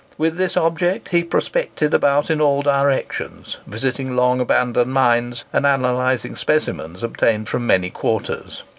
With this object he "prospected" about in all directions, visiting long abandoned mines, and analysing specimens obtained from many quarters.